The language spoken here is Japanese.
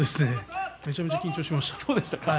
めちゃくちゃ緊張しました。